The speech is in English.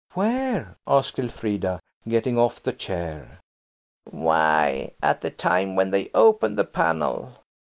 "Where?" asked Elfrida, getting off the chair. "Why, at the time when they open the panel.